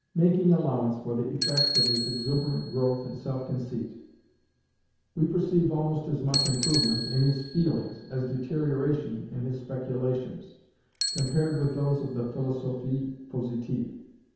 Making allowance for the effects of his exuberant growth in self conceit, we perceive almost as much improvement in his feelings, as deterioration in his speculations, compared with those of the Philosophie Positive.